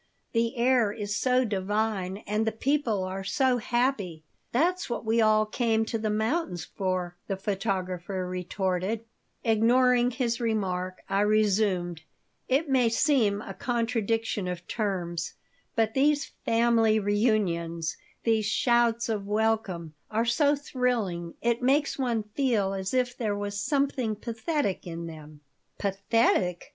"The air is so divine and the people are so happy." "That's what we all come to the mountains for," the photographer retorted Ignoring his remark, I resumed: "It may seem a contradiction of terms, but these family reunions, these shouts of welcome, are so thrilling it makes one feel as if there was something pathetic in them." "Pathetic?"